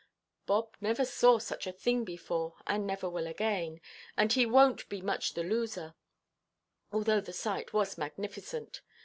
Bob never saw such a thing before, and never will again. And he wonʼt be much the loser; although the sight was magnificent.